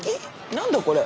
何だこれ？